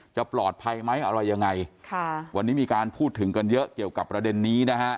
จะปลอดภัยไหมอะไรยังไงค่ะวันนี้มีการพูดถึงกันเยอะเกี่ยวกับประเด็นนี้นะฮะ